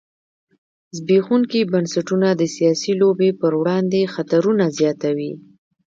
زبېښونکي بنسټونه د سیاسي لوبې پر وړاندې خطرونه زیاتوي.